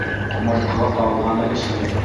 Ҡомартҡыға ҡағылғаны өсөн!